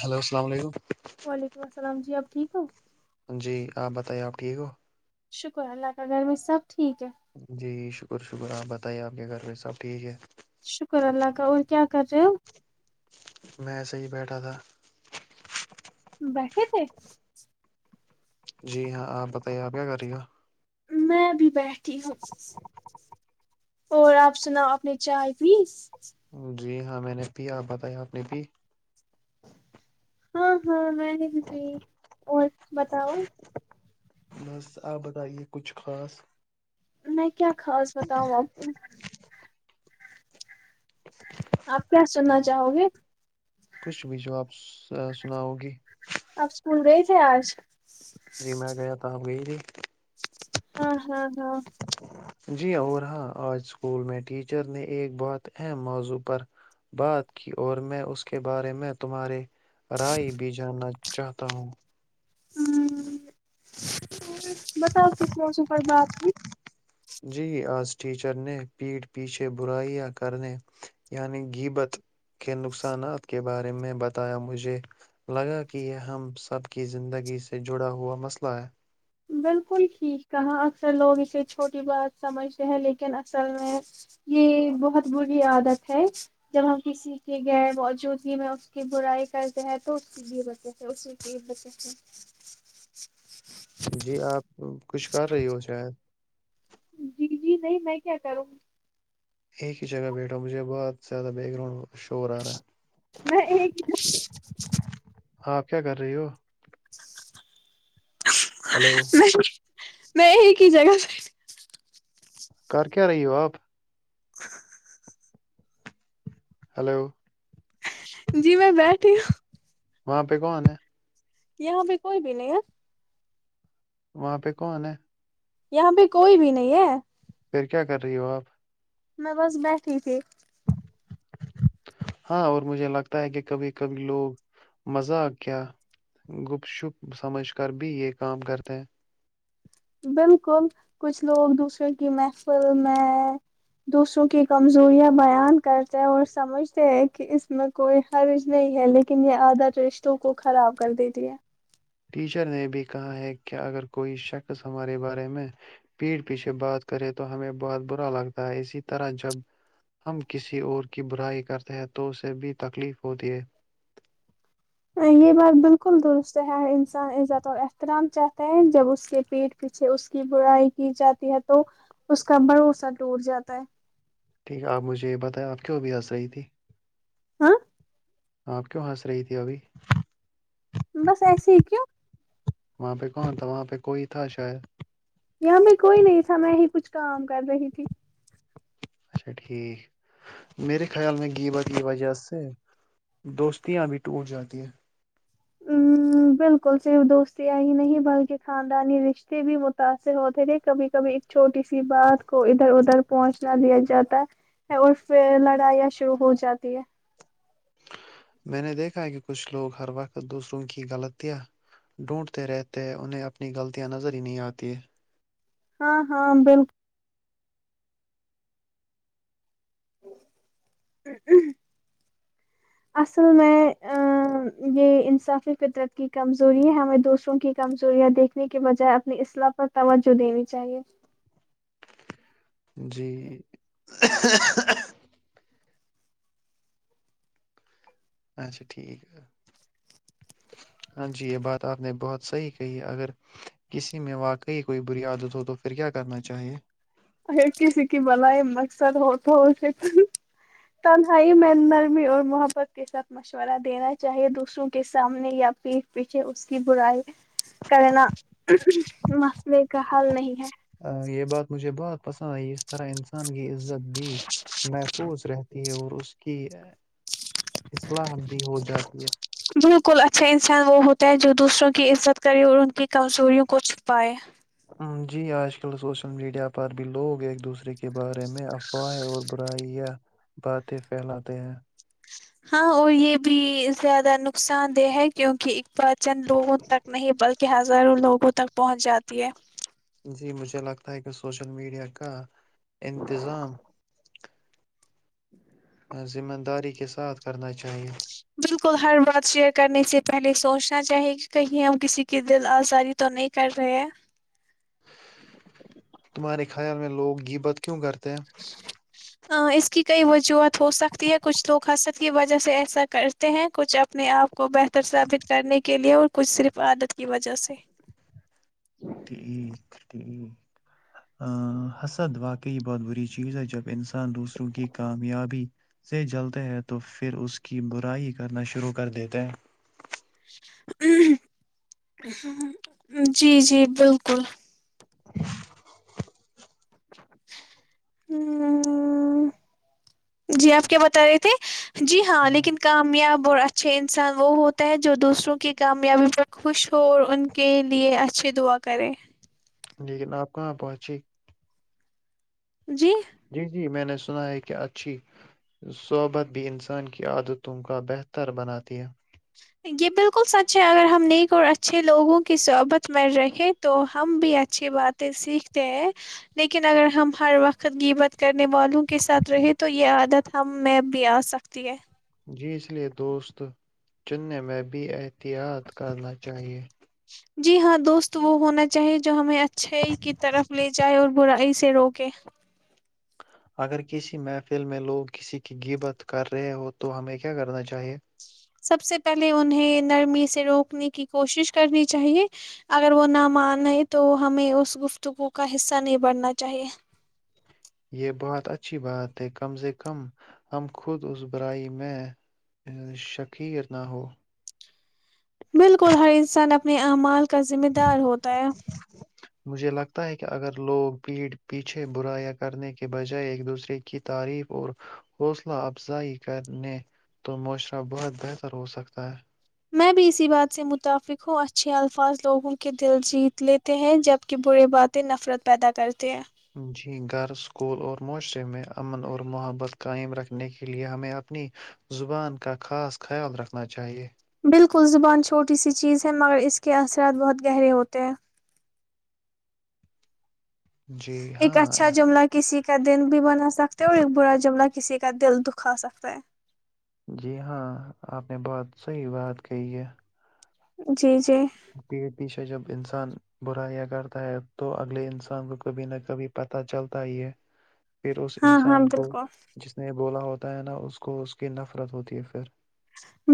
Hello السلام علیکم وعلیکم السلام جی آپ ٹھیک ہو جی آپ بتائیے آپ ٹھیک ہو شکر اللہ کا گھر میں سب ٹھیک ہے جی شکر شکر آپ بت پتاہ ہی آپ کے گھر ب سب ٹھیک ہے شکر اللہ کا اور کیا کر رہے ہو؟ میںسے ہی بیٹھا تھا بیٹھے تھے جی ہاں آپ بتائیے آپ کیا کر رہی گا میں بھی بیٹھی ہوں اور آپ سناؤ اپنے چائے پیس جی ہاں میں نے بھی آپ بتایا آپ نے بھی ہاں ہاں میں نے بھی تئی اور بتاؤ بس آپ بتائیے کچھ خاص میں کیا خاص بتاؤں آپ کو آپ کیا سننا چاہو گے کچھ بھی جو آاب سناؤگی آپ اسکول گئے تھے آج جی میں گیا تھا آپ گئی تھی ہاں ہاں ہاں جی اور ہاں آج اسکول میں ٹیچر نے ایک بہت اہم موضوع پر بات کی اور میں اس کے بارے میں تمہارے رائے بھی جاننا چاہتا ہوں ہ بتاؤ کس موسم پر بات ہوئی جی آج ٹیچر نے پیٹھ پیچھے برائیاں کرنے یعنی گبت کے نقصانات کے بارے میں بتایا مجھے لگا کہ یہ ہم سب کی زندگی سے جڑا ہوا مسئلہ ہے بالکل ٹھیک کہاں اکثر لوگ اسے چھوٹی بات سمجھتے ہیں لیکن اصل میں یہ بہت بری عادت ہے جب ہم کسی کے غیر موجودگی میں اس کی برائی کرتے ہیں تو اس کی بھی بچت ہے اسی کی بت ہے جی جی آپ کچھ کر رہی ہو شاید جی جی نہیں میں کیا کروں ایک ہی جگہ بیٹھا مجھے بہت زیادہ بیک گراؤنڈ ہو میں ایک آ آپ کیا کر رہی ہو [inaudible] ہلو میں میں کی جگہ کر کیا رہی ہو آپ [inaudible] ہلو جی میں بیٹھی ہوں وہاں پہ کون ہے یہاں بھی کوئی بھی نہیں ہے وہاں پہ کون ہے یہاں پہ کوئی بھی نہیں ہے پھر کیا کر رہی ہو آپ میں بس بیٹھی تھی ہاں اور مجھے لگتا ہے کہ کبھی کبھی لوگ مزہ کیا گپ شپ سمجھ کر بھی یہ کام کرتے ہیں بالکل کچھ لوگ دوسروں کی محفل میں دوسروں کی کمزوریاں بیان کرتے ہیں اور سمجھتے ہیں کہ اس میں کوئی حرض نہیں ہے لیکن یہ عادت رشتوں کو خراب کر دیتی ہے ٹیچر نے بھی کہا ہے کہ اگر کوئی شخص ہمارے بارے میں پیڑھ پیچھے بات کرے تو ہمیں بہت برا لگتا ہے اسی طرح جب ہم کسی اور کی برائی کرتے ہیں تو اسے بھی تکلیف ہوتی ہے یہ بات بالکل درست ہے ہر انسان عزت و احترام چاہتا ہے جب اس کے پیٹ پیچھے اس کی برائی کی جاتی ہے تو اس کا بھروسہ ٹوٹ جاتا ہے ٹھیک ہے آپ مجھے یہ بتائیں آپ کیوں بھی آس رہی تھی ہاں آپ کیوں ہنس رہی تھی ابھی بس ایسے ہی کیوں وہاں پہ کواں تھا وہاں پہ کوئی تھا شاید یہاں کوئی نہیں تھا میں ہی کچھ کام کر رہی تھی اچھا ٹھیک میرے خیال میں گیبا کی وجہ سے دوستیاں ا بھی ٹوٹ جاتی ہے بالکل صرف دوستیاں ہی نہیں بلکہ خاندانی رشتے بھی متاثر ہوتے تھے کبھی کبھی ایک چھوٹی سی بات کو ادھر ادھر پہنچنا دیا جاتا ہے اور پھر لڑائیاں شروع ہو جاتی ہے میں نے دیکھا کہ کچھ لوگ ہر وقت دوسروں کی غلطیاں ڈھونڈتے رہتے ہیں انہیں اپنی غلطیاں نظر ہی نہیں آتییں ہاں ہاں بالکل اصل میں یہ انصافی فطرت کی کمزوری ہے ہمیں دوسروں کی کمزوریاں دیکھنے کے بجائے اپنی اصلاح پر توجہ دینی چاہیے جی اچھا ٹھیک ہے ہاں جی یہ بات آپ نے بہت صحیح کہی اگر کسی میں واقعی کوئی بری عدت ہو تو پھر کیا کرنا چاہیے اگر کسی کی بلائی مقصد ہو تو اسے تنہائی میں نرمی اور محبت کے ساتھ مشورہ دینا چاہیے دوسروں کے سامنے یا پیھ پیچھے اس کی برائی کرنا مسئلے کا حل نہیں ہے ا یہ بات مجھے بہ [unintelligible] پسندئی اس طرح ان [unintelligible] کی عزت بھی محفوظ رہتی ہے اور اس کی ہے حصل حندی ہو جاتی ہے [inaudible] الکل اچھا انسان وہ ہوتا ہے جو دوسروں کی عزت کرے اور ان کی کمزوریوں کو چھپائے ہم، جی آج کل سوشل میڈیا پر بھی لوگ ایک دوسرے کے بارے میں افواہ اور برائی یا باتیں پھیلاتے ہیں ہاں اور یہ بھی زیادہ نقصان دہ ہے کیونکہ پہچند لوگوں تک نہیں بلکہ ہزاروں لوگوں تک پہنچ جاتا تی ہے [unintelligible] جی مجھے لگتا ہے کہ سوشل میڈیا کا انتظام [inaudible] ذمہ داری کے ساتھ کرنا چاہیے بالکل ہر بات شیئر کرنے سے پہلے سوچنا چاہیے کہ کہیں ہم کسی کی دل آزاری تو نہیں کر رہے ہیں تمہارے خیال میں لوگی بت کیوں کرتے ہیں اس کی کئی وجوہات ہو سکتی ہے کچھ لوگ ہنسک کی وجہ سے ایسا کرتے ہیں کچھ اپنے آپ کو بہتر سثابت کرنے کے لیے اور کچھ صرف عادت کی وجہ سے ٹھیک ٹھیک حسد واقع کئی بات بری چیز ہے جب انسان دوسروں کی کامیابی سے جلتے ہیں تو پھر اس کی برائی کرنا شروع کر دیتے ہیں جی جی بالکل [unintelligible] جی آپ کیا بتا رہی تھے جی ہاں ہیں لیکن کامیاب اور اچھے انسان وہ ہوتا ہے جو دوسروں کی کامیابی پر خوش ہو اور ان کے لیے اچھے دعا کرے لیکن آپ کہاں پہنچے جی جی جی میں نے سنا ہے کہ اچھی صحبت بھی انسان کی عادتوں کا بہتر بناتی ہے یہ بالکل سچ ہے اگر ہم نیک اور اچھے لوگوں کی صحبت میں رہیں تو ہم بھی اچھی باتیں سیکھتے ہیں لیکن اگر ہم ہر وقت گ بت کر والوں کے ساتھ رہے تو یہ عادت ہم میں بھی آ سکتی ہے جی اس لیے دوست چننے میں بھی احتیاط کرنا چاہیے جی ہاں دوست وہ ہونا چاہیے جو ہمیں اچھے کی طرف لے جائے اور برا سے روکے اگر کسی محفل میں لوگ کسی کی گبت کر رہے ہو تو ہمیں کیا کرنا چاہیے سب سے پہلے انہیں نرمی سے روکنے کی کوشش کرنی چاہیے اگر وہ نہ مانے تو ہمیں اس گفتگو کا حصہ نہیں بڑنا چاہیے یہ بہت اچھی بات ہے کم سے کم ہم خود اس برائی میں شقیر نہ ہو بالکل ہر انسان اپنی امال کا ذمہ دار ہوتا ہے ستا ہے کہ اگر لوگ بھییڑھ پیچھے برایا کرنے کے بجائے ایک دوسرے کی تعریف اور حوصلہ افزائی کرنے تو معاشرہ بہت بہتر ہو سکتا ہے میں بھی اسی بات سے متفق ہوں اچھے الفاظ لوگوں کے دل جیت لیتے ہیں جبک برے باتیں نفرت پیدا کرتے ہیں جی گھر اسکول اور معاشرے میں امن اور محبت قائم رکھنے کے لیے ہمیں اپنی زبان کا خاص خیال رکھنا چاہیے بالکل زبان چھوٹی سی چیز ہے مگر اس کے اثرات بہت گہرے ہوتے ہیں جی ایک ہاں اچھا جملہ کسی کا دن بھی بنا سکتے اور ایک برا جملہ کسی کا دل دکھا سکتا ہے جی ہاں آپ نے بہت صحیح بات کہی ہے جیی پ پیچھا جب انسان برا یا کرتا ہے تو اگلے انسان کو کبھی نہ کبھی پتا چلتا ہی پھر اس ہاں ہاں انسان کو بالکل جس نے بولا ہوتا ہوتا ہے نا اس کو اس کی نفرت ہوتی ہے پھر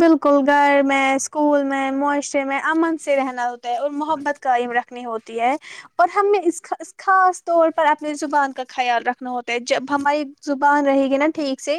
بالکل گھر میں اسکول میں معاشرے میں امن سے رہنا ہوتا اور محبت قئم رکھنی ہوتی اور ہمیں اس خاص طور پر اپنی زبان کا خیال رکھنا ہوتا ہے جب ہماری زبان رہے گی نا ٹھیک سے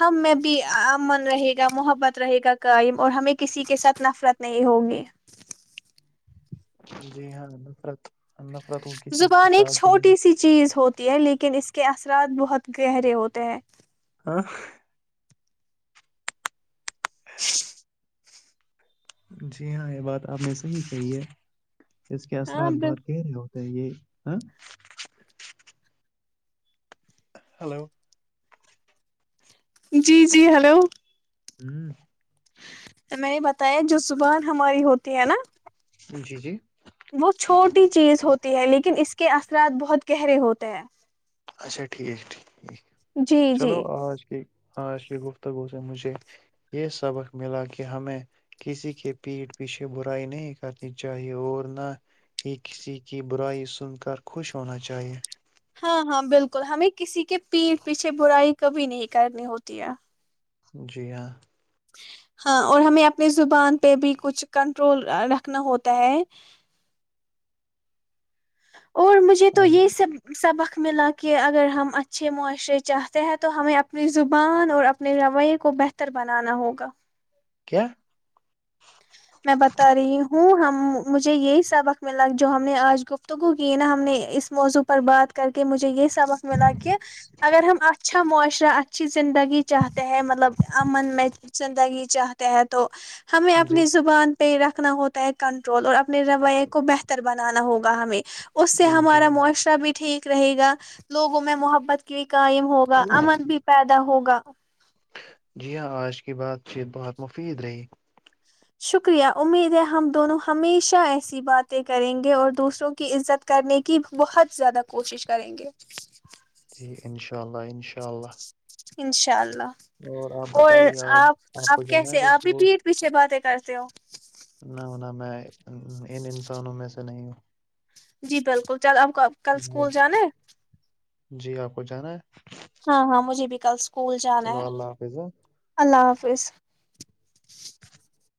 ہم میں بھی امن رہے گا محبت بت رہے گا قئم اور ہمیں کسی کے ساتھ نفرت نہیں ہوگی جی ہاں نفرت نفرت وہ کسی کے زبان ایک ساتھ بھی نہیں چھوٹی سی چیز ہوتی لیکن اس کے اثرات بہت گہرے ہوتے ہیں ہاں ج جی ہاں یہ بات آپ نے صحیح کہی ہے اس کے ہاں اثرات بہت بال- گہرے ہو تو یہ ہ ہلو جی جی ہلو ہوں میں نے بتایا جو صبح ہماری ہوتی ہے نا جی جی وہ چھوٹی چیز ہوتی ہے لیکن اس کے اثرات بہت گہرے ہوتے ہیں اچھا ٹھیک ٹیک جی جی چلو آج کی ہاں ش گفتگو سے مجھے یہ سبق ملا کہ ہمیں کسی کے پیٹھ پیچھے برائی نہیں کرنی چاہیے اور نہ ہی کسی کی برائی سن کر خوش ہونا چاہیے ہاں ہاں بالکل ہمیں کسی کے پیٹ پیچھے برائی کبھی نہیں کرنی ہوتی ہے جی ہاں ہاں اور ہمیں اپنی زبان پہ بھی کچھ کنٹرول رکھنا ہوتا ہے اور مجھے تو ہاں یہ سب سبق ملا کہ اگر ہم اچھے معاشرے چاہتے ہیں تو ہمیں اپنی زبان اور اپنے رویے کو بہتر بنانا ہوگا کیا میں بتا رہی ہوں ہم مجھے یہی سبق ملا جو ہم نے آج گفتگو کی نا ہم نے اس موضوع پر بات کر کے مجھے یہ سبق ملا کہ اگر ہم اچھا معاشرہ اچھی زندگی چاہتے ہیں مطلب امن میں زندگی چاہتے ہیں تو ہمیں جی اپنی زبان پہ رکھنا ہوتا ہے کنٹرول اور اب نے رویے کو بہتر بنانا ہوگا ہمیں اس سے جی ہمارا ہاں معاشرہ بھی ٹھیک رہے گا لوگوں میں محبت کی قائم ہوگا امن بھی پیدا ہوگا ا [unintelligible] جی ہاں آج کی بات چیت بہت مفید رہی شکریہ امید ہے ہم دونوں ہمیشہ ایسی باتیں کریں گے اور دوسروں کی عزت کرنے کی بہت زیادہ کوشش کریں گے جی انشاء اللہ انشاء اللہ ان [unintelligible] انشاء اللہ آپ اور بتائیے آپ آپ کو جانا ہے کیسے کل آپ بھی اسکول پیر پیچھے باتیں کر د ہو [unintelligible] نہ ہونا میں ان انسانوں میں سے نہیں ہوں جی بالکل چل اب کل میں- اسکول جانے جی آپ کو جانا ہے ہاں ہاں مجھے بھی کل اسکول جانا چلو ہے اللہ حافظ ہاں۔ اللہ حافظ پس [unintelligible] [inaudible]